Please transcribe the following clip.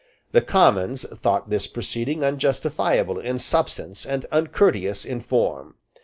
The Commons thought this proceeding unjustifiable in substance and uncourteous in form.